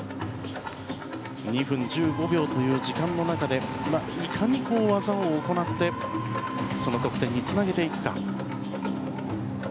２分１５秒という時間の中で、いかに技を行って得点につなげていくか。